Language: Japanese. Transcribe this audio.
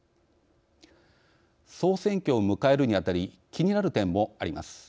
総選挙を迎えるにあたり気になる点もあります。